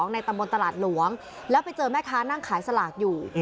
ในตำบลตลาดหลวงแล้วไปเจอแม่ค้านั่งขายสลากอยู่